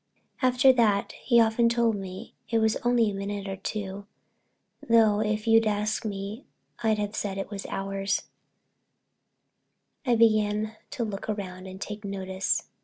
After that—he's often told me it was only a minute or two, though if you'd asked me I'd have said it was hours—I began to look round and take notice.